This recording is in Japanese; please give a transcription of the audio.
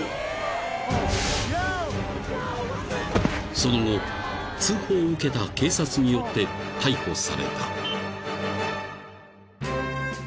［その後通報を受けた警察によって逮捕された］